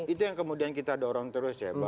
itu yang kemudian kita dorong terus ya